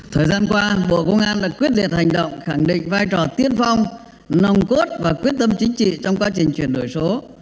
thời gian qua bộ công an đã quyết liệt hành động khẳng định vai trò tiên phong nong cốt và quyết tâm chính trị trong quá trình chuyển đổi số